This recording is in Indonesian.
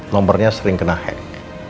nomornya sering kena hack